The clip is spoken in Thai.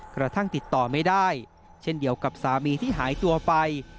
กระทั่งติดต่อไม่ได้เช่นเดียวกับสามีที่หายตัวไป